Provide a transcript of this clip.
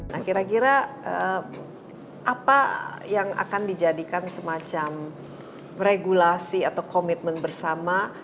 nah kira kira apa yang akan dijadikan semacam regulasi atau komitmen bersama